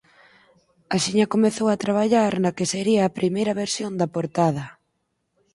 Axiña comezou a traballar na que sería a primeira versión da Portada.